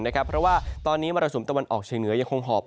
เพราะว่าตอนนี้มรสุมตะวันออกเชียงเหนือยังคงหอบ